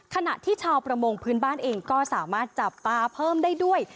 ขณะที่ชาวประมงพื้นบ้านเองก็สามารถจับปลาเพิ่มได้ด้วย